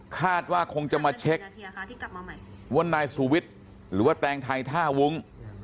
คาดว่าคงจะมาเช็คว่านายสุวิทย์หรือว่าแตงไทยท่าวุ้ง